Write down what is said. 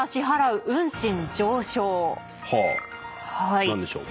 はぁ何でしょう？